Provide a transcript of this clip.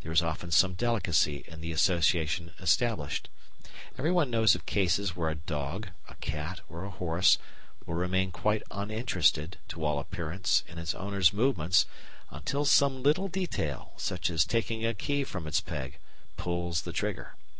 There is often some delicacy in the association established. Everyone knows of cases where a dog, a cat, or a horse will remain quite uninterested, to all appearance, in its owner's movements until some little detail, such as taking a key from its peg, pulls the trigger.